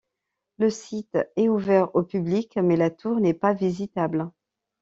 Le site est ouvert au public, mais la tour n'est pas visitable.